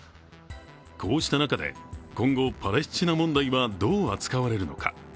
こうした中で今後、パレスチナ問題はどう扱われるのか。